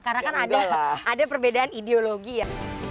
karena kan ada perbedaan ideologi ya